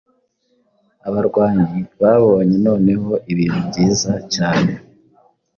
Abarwanyi babonye noneho ibintu byiza cyane